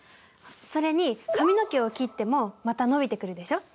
それに髪の毛を切ってもまた伸びてくるでしょ。